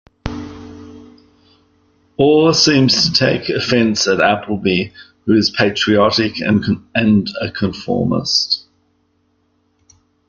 Orr seems to take offense at Appleby, who is patriotic and a conformist.